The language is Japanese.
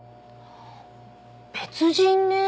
別人ね。